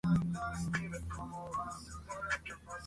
Las boquillas usan vibración para generar sonidos.